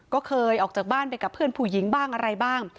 ก็เคยออกจากบ้านไปกับเพื่อนผู้หญิงบ้างอะไรบ้าง